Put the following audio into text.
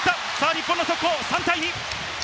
日本の速攻、３対２。